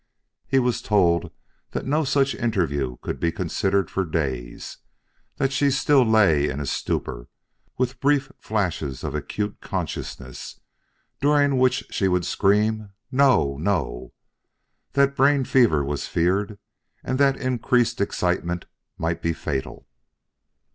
He was told that no such interview could be considered for days that she still lay in a stupor, with brief flashes of acute consciousness, during which she would scream "No! no!" that brain fever was feared and that increased excitement might be fatal.